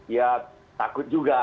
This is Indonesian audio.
ya takut juga